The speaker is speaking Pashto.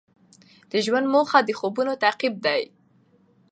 د ژوند موخه د خوبونو تعقیب دی.